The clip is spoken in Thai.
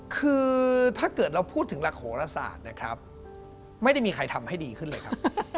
คือถ้าเกิดเราพูดถึงลักษณะสารแล้วก็ไม่ได้มีใครทำให้ดีขึ้นเลยครับ